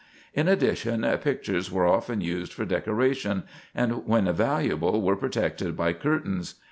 In addition, pictures were often used for decoration, and when valuable were protected by curtains.